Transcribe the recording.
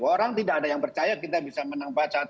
orang tidak ada yang percaya kita bisa menang empat satu